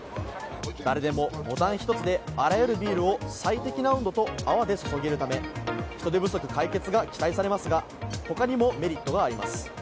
誰でもボタン１つであらゆるビールを最適な温度と泡で注げるため人手不足解決が期待されますが他にもメリットがあります。